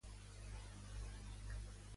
Ha canviat d'opinió Iglesias?